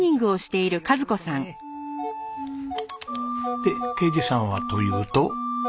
で啓二さんはというと。